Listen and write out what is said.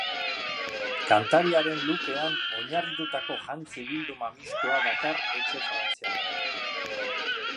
Kantariaren lookean oinarritutako jantzi-bilduma mistoa dakar etxe frantziarrak.